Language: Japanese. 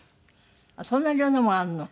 そんなにいろんなものあるの？